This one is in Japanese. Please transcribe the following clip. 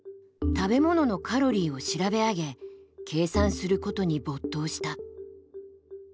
食べ物のカロリーを調べ上げ計算することに没頭した。